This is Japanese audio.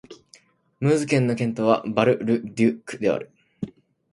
ムーズ県の県都はバル＝ル＝デュックである